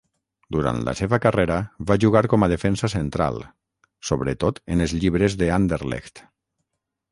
Durant la seva carrera va jugar com a defensa central, sobretot en els llibres de Anderlecht.